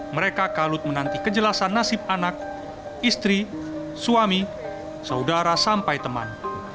mereka kalut menanti kejelasan nasib anak istri suami saudara sampai teman